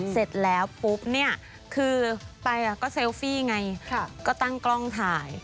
เสร็จแล้วปุ๊บเนี่ยคือไปก็เซลฟี่ไงก็ตั้งกล้องถ่าย